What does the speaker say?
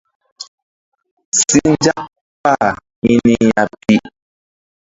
Si nzak kpah hi ni ya pi.